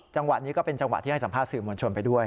จังหวะนี้ก็เป็นจังหวะที่ให้สัมภาษณ์สื่อมวลชนไปด้วย